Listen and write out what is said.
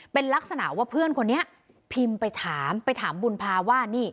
เป็นลักษณะว่าเพื่อนคนนี้พิมพ์ไปถามไปถามบุญภาว่านี่